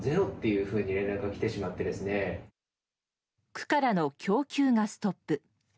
区からの供給がストップ。